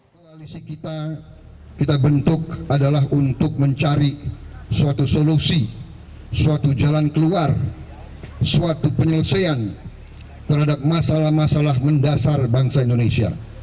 koalisi kita kita bentuk adalah untuk mencari suatu solusi suatu jalan keluar suatu penyelesaian terhadap masalah masalah mendasar bangsa indonesia